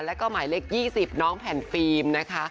และก็หมายเลข๒๐แผ่นปริมนะค่ะ